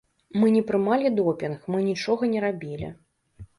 Мы не прымалі допінг, мы нічога не рабілі.